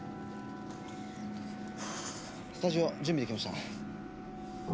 「スタジオ準備できました」。